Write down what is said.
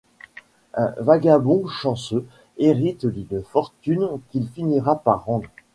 Un vagabond chanceux hérite d'une fortune qu'il finira par rendre.